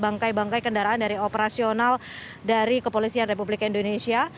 bangkai bangkai kendaraan dari operasional dari kepolisian republik indonesia